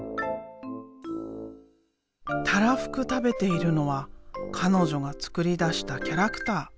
たらふく食べているのは彼女が創り出したキャラクター。